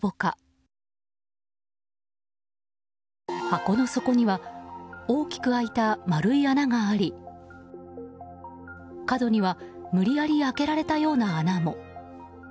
箱の底には大きく開いた丸い穴があり角には無理やり開けられたような穴も。